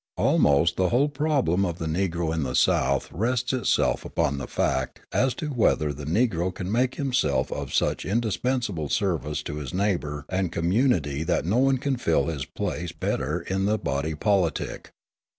Almost the whole problem of the Negro in the South rests itself upon the fact as to whether the Negro can make himself of such indispensable service to his neighbour and the community that no one can fill his place better in the body politic.